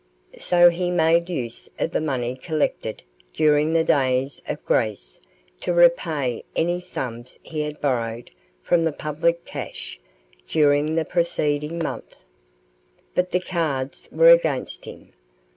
So he made use of the money collected during the days of grace to repay any sums he had borrowed from the public cash during the preceding month. But the cards were against him.